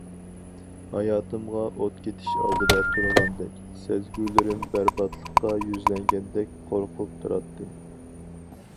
ھاياتىمغا ئوت كېتىش ئالدىدا تۇرغاندەك... سەزگۈلىرىم بەرباتلىققا يۈزلەنگەندەك قورقۇپ تۇراتتىم.